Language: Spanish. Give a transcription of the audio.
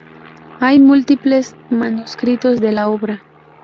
Hay múltiples manuscritos de la obra.